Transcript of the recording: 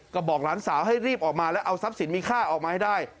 ก็บอกหลานสาวให้รีบออกมาแล้วเอาทรัพย์สินมีค่าออกมาให้ได้